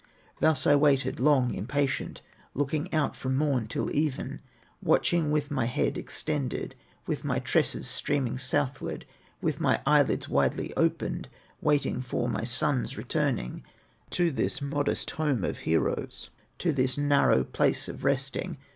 Thus I waited long, impatient, Looking out from morn till even, Watching with my head extended, With my tresses streaming southward, With my eyelids widely opened, Waiting for my son's returning To this modest home of heroes, To this narrow place of resting.